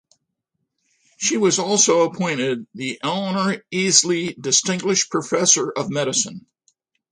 She was also appointed the Eleanor Easley Distinguished Professor of Medicine.